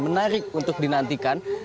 menarik untuk dinantikan